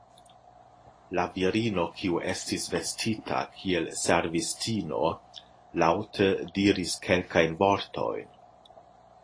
La virino, kiu estis vestita kiel servistino, laŭte diris kelkajn vortojn.